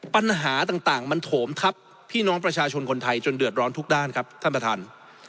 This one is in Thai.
ปัญหาต่างมันโถมทับพี่น้องประชาชนคนไทยจนเดือดร้อนทุกด้านครับท่านประธาน